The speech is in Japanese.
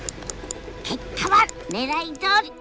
結果はねらいどおり。